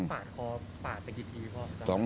ต้องปาดคอปาดไปกี่ทีครับ